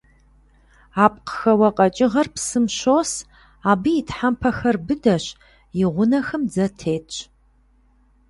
Апкъхэуэ къэкӀыгъэр псым щос, абы и тхьэмпэхэр быдэщ, и гъунэхэм дзэ тетщ.